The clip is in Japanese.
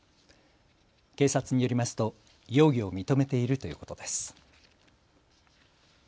警察によりますと容疑を認めているということです。